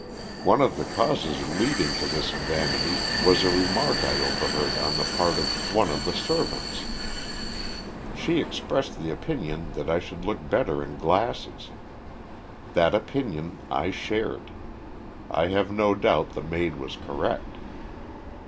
One of the causes leading to this vanity was a remark I overheard on the part of one of the servants. She expressed the opinion that I should look better in glasses. That opinion I shared. I have no doubt the maid was correct."